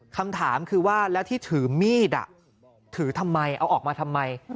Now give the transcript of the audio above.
คำถามคือว่าแล้วที่ถือมีดถือทำไมเอาออกมาทำไม